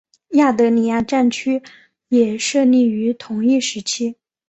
亚德里亚战区也设立于同一时期。